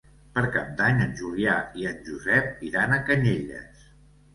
Per Cap d'Any en Julià i en Josep iran a Canyelles.